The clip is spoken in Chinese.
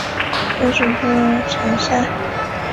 曾祖父陈善。